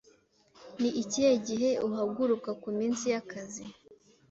Ni ikihe gihe uhaguruka ku minsi y'akazi?